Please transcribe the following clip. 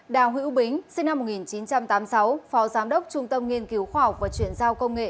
đào hữu bính sinh năm một nghìn chín trăm tám mươi sáu phó giám đốc trung tâm nghiên cứu khoa học và chuyển giao công nghệ